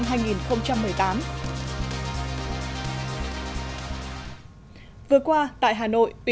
vừa qua tại hà nội ubnd đã đặt bản thân cho các trường hợp đồng bảo hiểm an sinh giáo dục